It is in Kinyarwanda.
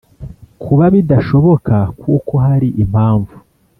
bikaba bidashoboka kuko hari impamvu